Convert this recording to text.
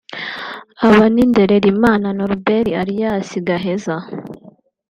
Aba ni Ndererimana Norbert alias Gaheza